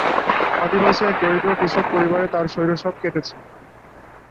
আদিবাসী এক দরিদ্র কৃষক পরিবারে তার শৈশব কেটেছে।